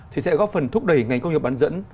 thì sẽ góp phần thúc đẩy ngành công nghiệp bán dẫn